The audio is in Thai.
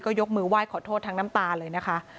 ยกมือไหว้ขอโทษทั้งน้ำตาเลยนะคะ